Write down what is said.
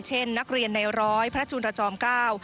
เช่นนักเรียนในร้อยพระจุลจอมเก้า